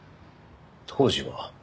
「当時は」？